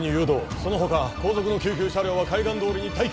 そのほか後続の救急車両は海岸通りに待機